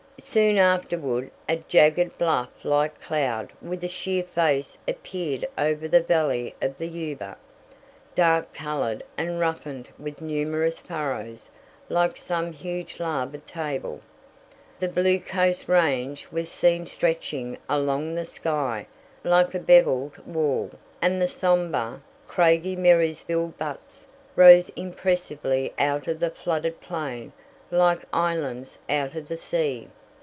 Soon afterward a jagged bluff like cloud with a sheer face appeared over the valley of the Yuba, dark colored and roughened with numerous furrows like some huge lava table. The blue Coast Range was seen stretching along the sky like a beveled wall, and the somber, craggy Marysville Buttes rose impressively out of the flooded plain like islands out of the sea.